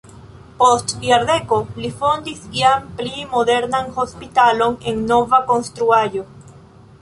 Post jardeko li fondis jam pli modernan hospitalon en nova konstruaĵo.